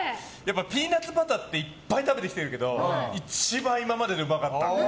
ピーナツバターっていっぱい食べてきているけど一番今まででうまかった。